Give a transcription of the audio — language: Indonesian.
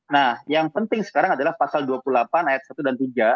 nah yang penting sekarang adalah pasal dua puluh delapan ayat satu dan tiga